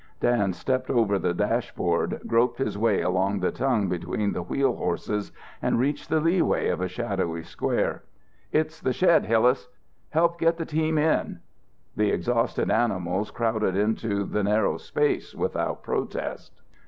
Dan stepped over the dashboard, groped his way along the tongue between the wheel horses and reached the leeway of a shadowy square. "It's the shed, Hillas. Help get the team in." The exhausted animals crowded into the narrow space without protest.